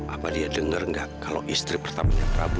apa dia denger gak kalau istri pertamanya prabu